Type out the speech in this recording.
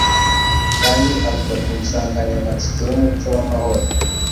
kandi uvuga ku nsanganyamatsiko y’umuco w’amahoro